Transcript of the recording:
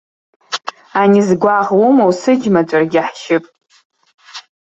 Ани, згәаӷ умоу сыџьма ҵәыргьы ҳшьып.